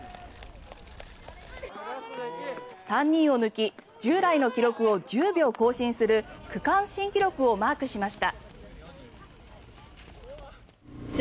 ３人を抜き従来の記録を１０秒更新する区間新記録をマークしました。